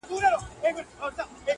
د هغه ځای د خلکو څخه شکایت کوی